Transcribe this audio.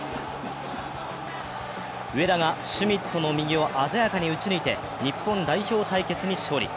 上田がシュミットの右を鮮やかに打ち抜いて、日本代表対決に勝利。